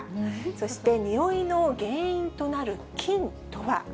そしてにおいの原因となる菌とは。